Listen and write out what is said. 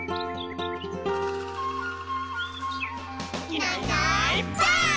「いないいないばあっ！」